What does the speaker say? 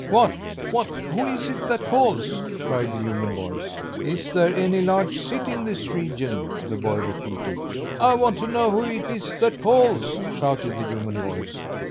"What what who is it that calls?" cried the human voice. "Is there any large city in this region?" the boy repeated. "I want to know who it is that calls," shouted the human voice.